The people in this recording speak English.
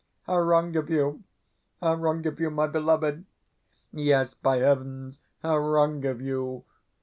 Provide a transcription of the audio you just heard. How wrong of you, how wrong of you, my beloved! Yes, by heavens, how wrong of you!